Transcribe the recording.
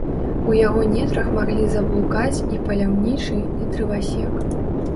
У яго нетрах маглі заблукаць і паляўнічы, і дрывасек.